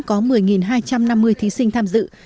có một mươi hai trăm năm mươi thí sinh tham dự